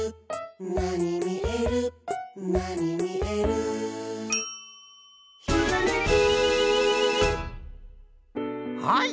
「なにみえるなにみえる」「ひらめき」はい！